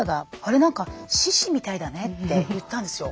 何か獅子みたいだね」って言ったんですよ。